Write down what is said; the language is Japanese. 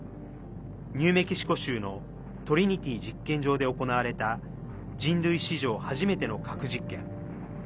ニューメキシコ州のトリニティ実験場で行われた人類史上、初めての核実験。